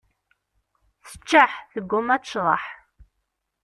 Teččeḥ, tegguma ad tecḍeḥ.